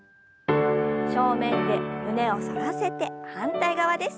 正面で胸を反らせて反対側です。